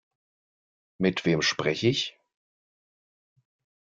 Mit wem spreche ich?